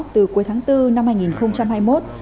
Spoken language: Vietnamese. từ cuối tháng bốn năm hai nghìn hai mươi một